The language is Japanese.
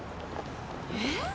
えっ？